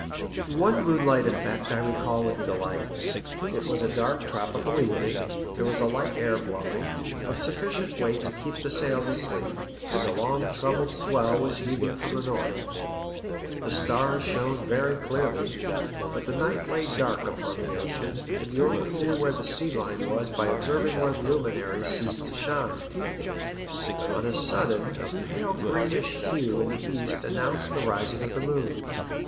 One moonlight effect I recall with delight. It was a dark, tropical evening ; there was a light air blowing, of sufficient weight to keep the sails asleep, and a long troubled swell was heaving from the north. The stars shone very clearly ; but the night lay dark upon the ocean, and you only knew where the sea line was by observing where the luminaries ceased to shine. On a sudden a pale greenish hue in the east announced the rising of the moon.